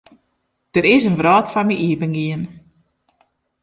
Der is in wrâld foar my iepengien.